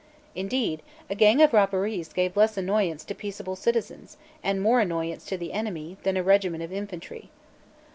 Indeed a gang of Rapparees gave less annoyance to peaceable citizens, and more annoyance to the enemy, than a regiment of infantry.